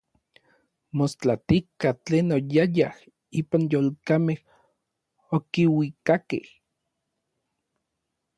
Mostlatika tlen oyayaj ipan yolkamej okiuikakej.